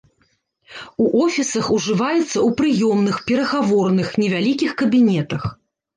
У офісах ужываецца ў прыёмных, перагаворных, невялікіх кабінетах.